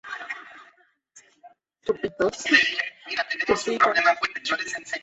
Así pues, se compone prácticamente de hierro puro.